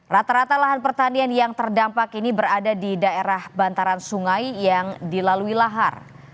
rata rata lahan pertanian yang terdampak ini berada di daerah bantaran sungai yang dilalui lahar